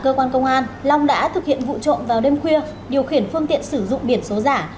cơ quan công an long đã thực hiện vụ trộm vào đêm khuya điều khiển phương tiện sử dụng biển số giả